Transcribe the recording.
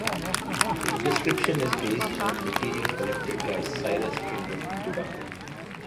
The description is based on material collected by Cyrus Pringle in Durango.